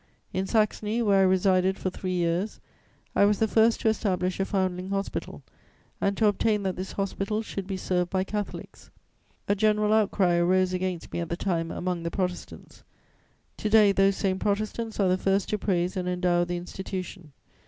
In Saxony, where I resided for three years, I was the first to establish a foundling hospital and to obtain that this hospital should be served by Catholics. A general outcry arose against me at the time among the Protestants; to day those same Protestants are the first to praise and endow the institution.